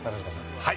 はい。